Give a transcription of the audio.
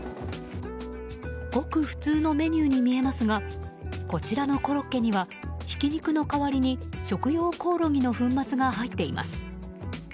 ごく普通のメニューに見えますがこちらのコロッケにはひき肉の代わりに食用コオロギの粉末が入っています。